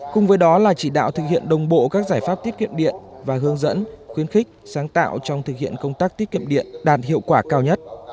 cùng với đó là chỉ đạo thực hiện đồng bộ các giải pháp tiết kiệm điện và hướng dẫn khuyến khích sáng tạo trong thực hiện công tác tiết kiệm điện đạt hiệu quả cao nhất